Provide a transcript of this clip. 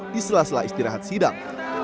di sela sela istirahat sidang